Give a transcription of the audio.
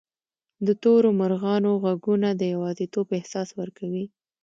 د تورو مرغانو ږغونه د یوازیتوب احساس ورکوي.